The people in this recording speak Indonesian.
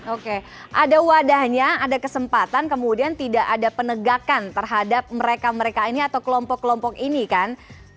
oke ada wadahnya ada kesempatan kemudian tidak ada penegakan terhadap mereka mereka ini atau kelompok kelompok ini kan